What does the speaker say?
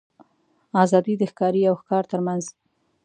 آزادي د ښکاري او ښکار تر منځ.